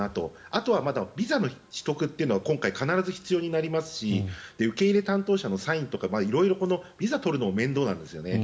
あとはビザの取得というのは今回、必ず必要になりますし受け入れ担当者のサインとか色々、ビザ取るのも面倒なんですよね。